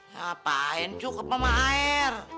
ngapain cukup sama air